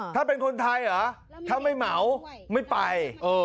ถ้าเป็นคนไทยเหรอถ้าไม่เหมาไม่ไป